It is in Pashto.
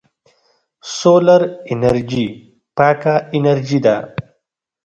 سولر انرژي پاکه انرژي ده.